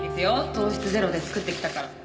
糖質ゼロで作ってきたから。